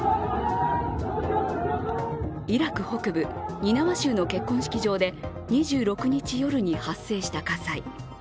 イラク北部ニナワ州の結婚式場で２６日夜に発生した火災。